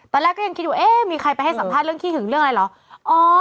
ตอนแรกก็ยังคิดอยู่เอ๊ะมีใครไปให้สัมภาษณ์เรื่องขี้หึงเรื่องอะไรเหรอ